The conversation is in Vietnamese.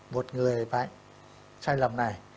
một người phải sai lầm này